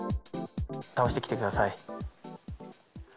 倒して来てください。